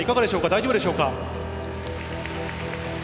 大丈夫でしょうか。